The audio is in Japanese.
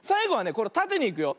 これたてにいくよ。